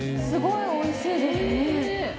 すごいおいしいですね。